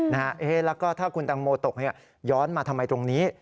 แล้วก็ถ้าคุณตังโมตกย้อนมาทำไมตรงนี้